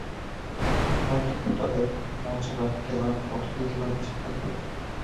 মুহাম্মাদ তাদেরকে এক মঞ্চে রাখতে আর কতদিনই-বা বেঁচে থাকবে।